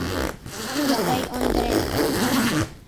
— Могай Ондре?